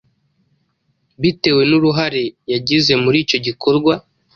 bitewe n’uruhare yagize muri icyo gikorwa.